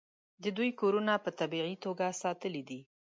د دوی کورونه په طبیعي توګه ساتلي دي.